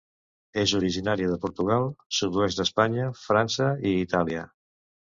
És originària de Portugal, sud-oest d'Espanya, França i Itàlia.